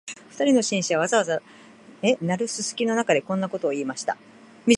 二人の紳士は、ざわざわ鳴るすすきの中で、こんなことを言いました